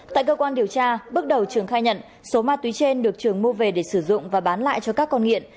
tại cơ quan điều tra bước đầu trường khai nhận số ma túy trên được trường mua về để sử dụng và bán lại cho các con nghiện